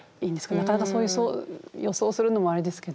なかなかそういう予想をするのもあれですけど。